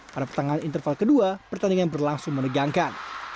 pada pertengahan interval kedua pertandingan berlangsung menegangkan